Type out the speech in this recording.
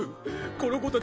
この子たち